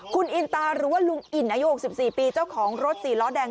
คุณอินตาหรือว่าลุงอิ่นอายุ๖๔ปีเจ้าของรถ๔ล้อแดง